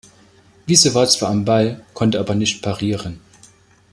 Wiese war zwar am Ball, konnte aber nicht parieren.